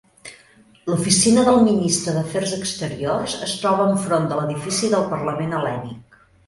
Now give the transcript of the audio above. L'oficina del Ministre d'Afers Exteriors es troba enfront de l'edifici del Parlament Hel·lènic.